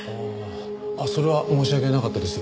それは申し訳なかったです。